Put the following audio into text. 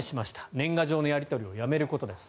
年賀状のやり取りをやめることです。